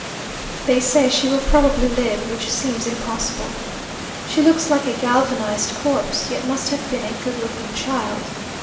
They say she will probably live, which seems impossible. She looks like a galvanized corpse yet must have been a good looking child.